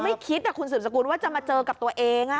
ไม่คิดแต่คุณศูนย์สกุลว่าจะมาเจอกับตัวเองอะ